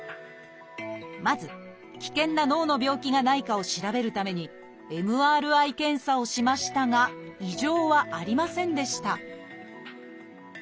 まず危険な脳の病気がないかを調べるためにＭＲＩ検査をしましたが異常はありませんでした